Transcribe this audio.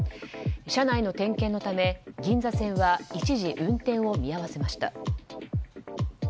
車内の点検のため銀座線は一時運転を見合わせました。